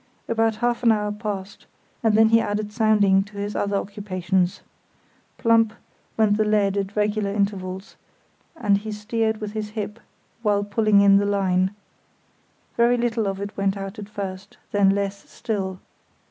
About half an hour passed, and then he added sounding to his other occupations. "Plump" went the lead at regular intervals, and he steered with his hip while pulling in the line. Very little of it went out at first, then less still.